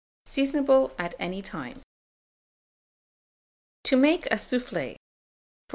Seasonable at any time. TO MAKE A SOUFFLE. 1481.